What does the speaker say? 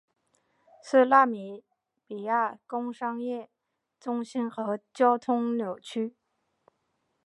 是纳米比亚工商业中心和交通枢纽。